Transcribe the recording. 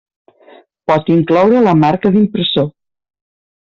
Pot incloure la marca d'impressor.